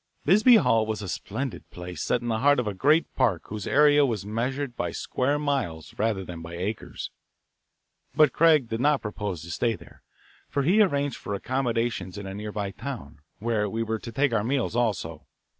Bisbee Hall was a splendid place set in the heart of a great park whose area was measured by square miles rather than by acres. But Craig did not propose to stay there, for he arranged for accommodations in a near by town, where we were to take our meals also.